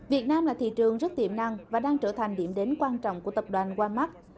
việt nam là thị trường rất tiệm năng và đang trở thành điểm đến quan trọng của tập đoàn walmart